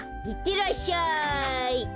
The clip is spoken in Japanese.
いってらっしゃい！